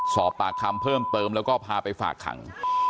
สอบปากคำเพิ่มเติมแล้วก็พาไปฝากขัง